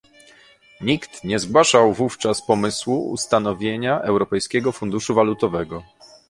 Nikt nie zgłaszał wówczas pomysłu ustanowienia Europejskiego Funduszu Walutowego